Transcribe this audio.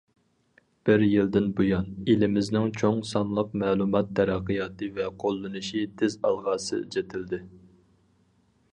بىر يىلدىن بۇيان، ئېلىمىزنىڭ چوڭ سانلىق مەلۇمات تەرەققىياتى ۋە قوللىنىلىشى تېز ئالغا سىلجىتىلدى.